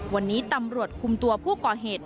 วันนี้ตำรวจคุมตัวผู้ก่อเหตุ